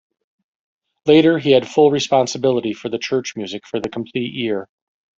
Later he had full responsibility for the church music for the complete year.